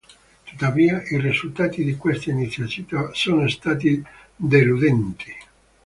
Tuttavia, i risultati di questa iniziativa sono stati deludenti.